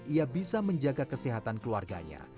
ia bisa menjaga kesehatan keluarganya